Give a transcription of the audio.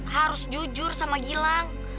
harus jujur sama gilang